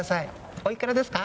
おいくらですか？